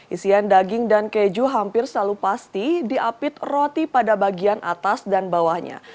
isian daging dan keju hampir selalu pasti diapit roti pada bagian atas dan bawahnya